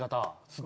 すっ